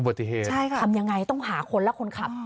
อุบัติเหตุใช่ค่ะทำยังไงต้องหาคนละคนขับ